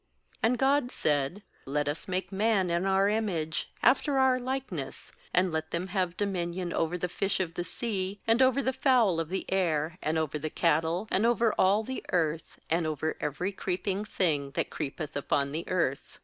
^And God said: 'Let us make man in our image, after our likeness; and let them have dominion over the fish of the sea, and over the fowl of the air, and over the cattle, and over all the earth, and over every creeping thing that creepeth upon the earth.'